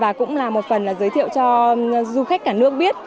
và cũng là một phần là giới thiệu cho du khách cả nước biết